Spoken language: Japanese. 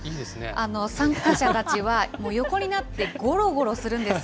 参加者たちは横になってごろごろするんです。